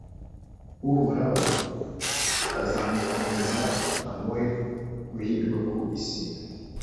uhoraho azamukomeza, amuhe guhirwa ku isi